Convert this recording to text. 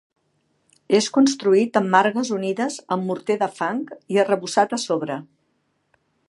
És construït amb margues unides amb morter de fang i arrebossat a sobre.